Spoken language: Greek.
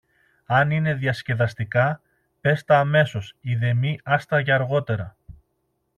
Αν είναι διασκεδαστικά, πες τα αμέσως, ειδεμή άστα για αργότερα.